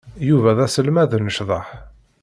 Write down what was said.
Yuba d aselmad n ccḍeḥ.